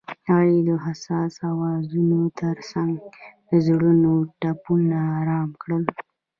هغې د حساس اوازونو ترڅنګ د زړونو ټپونه آرام کړل.